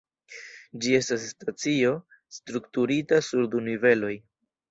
Ĝi estas stacio strukturita sur du niveloj.